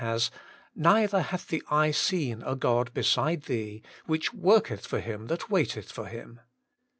has :* Neither hath the eye seen a God beside Thee^ which worketh for him that waiteth for Him.'